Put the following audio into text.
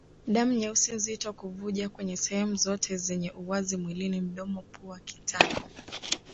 Damu nyeusi nzito kuvuja kwenye sehemu zote zenye uwazi mwilini mdomo pua kitako